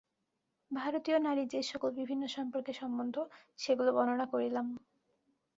ভারতীয় নারী যে-সকল বিভিন্ন সম্পর্কে সম্বন্ধ, সেগুলি বর্ণনা করিলাম।